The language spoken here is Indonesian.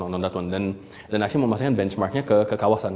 dan actually memastikan benchmarknya ke kawasan